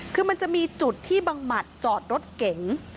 คือมันจะมีจุดที่บังหมัดจอดรถเก๋ง